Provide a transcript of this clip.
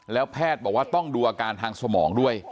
แล้วแพทย์บอกว่าต้องดูอาการทางสมองด้วย